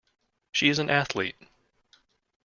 She is an Athlete.